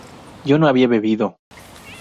yo no había bebido